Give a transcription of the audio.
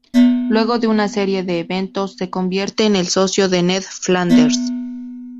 Luego de una serie de eventos, se convierte en el socio de Ned Flanders.